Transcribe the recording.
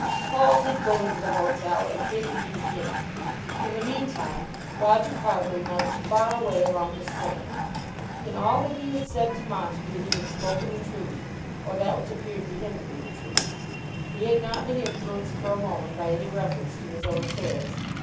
Paul did go into the hotel, and did eat his dinner. In the meantime Roger Carbury marched far away along the strand. In all that he had said to Montague he had spoken the truth, or that which appeared to him to be the truth. He had not been influenced for a moment by any reference to his own affairs.